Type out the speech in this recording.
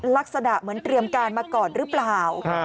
ลักษณะเหมือนเตรียมการมาก่อนหรือเปล่า